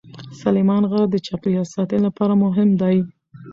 سلیمان غر د چاپیریال ساتنې لپاره مهم دی.